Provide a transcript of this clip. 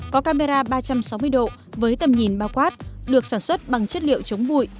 có camera ba trăm sáu mươi độ với tầm nhìn bao quát được sản xuất bằng chất liệu chống bụi